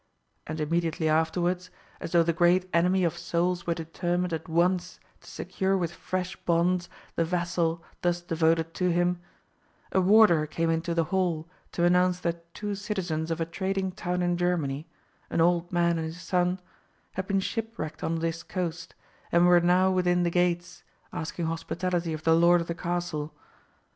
And immediately afterwards, as though the great enemy of souls were determined at once to secure with fresh bonds the vassal thus devoted to him, a warder came into the hall to announce that two citizens of a trading town in Germany, an old man and his son, had been shipwrecked on this coast, and were now within the gates, asking hospitality of the lord of the castle.